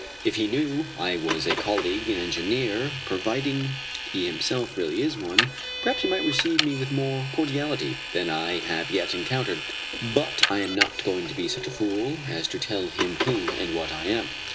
If he knew I was a colleague, an engineer providing he himself really is one perhaps he might receive me with more cordiality than I have yet encountered, but I am not going to be such a fool as to tell him who and what I am.